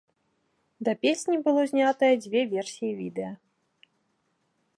Да песні было знятае дзве версіі відэа.